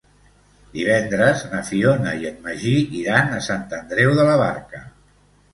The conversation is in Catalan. Divendres na Fiona i en Magí iran a Sant Andreu de la Barca.